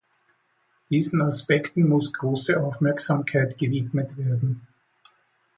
Diesen Aspekten muss große Aufmerksamkeit gewidmet werden.